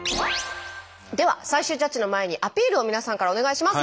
では最終ジャッジの前にアピールを皆さんからお願いします。